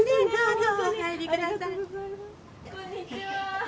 こんにちは。